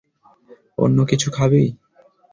অন্য কিছু খাবি?